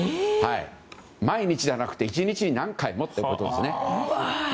毎日ではなくて１日に何回もということですね。